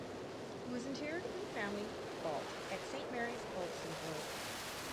He was interred in the family vault at Saint Mary's, Oldswinford.